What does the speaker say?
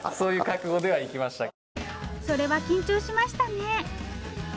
それは緊張しましたね。